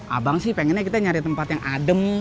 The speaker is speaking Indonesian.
abang sih pengennya kita nyari tempat yang adem